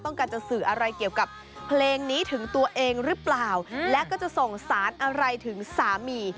ต้องการจะสื่ออะไรเกี่ยวกับเพลงนี้ถึงตัวเองหรือเปล่าและก็จะส่งสารอะไรถึงสามี